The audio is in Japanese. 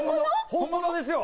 本物ですよ！